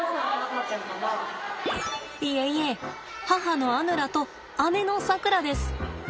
いえいえ母のアヌラと姉のさくらです。